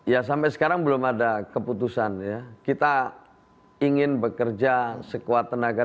yang sama dengan e commerce